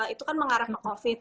itu kan mengarah ke covid